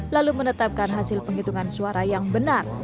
lalu menetapkan hasil penghitungan suara yang benar